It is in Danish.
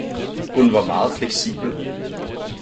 Hun var meget fleksibel.